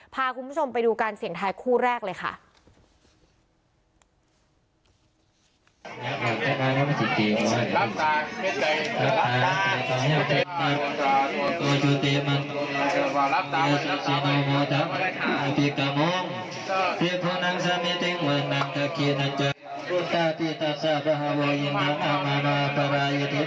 พาคุณผู้ชมไปดูการเสี่ยงทายคู่แรกเลยค่ะ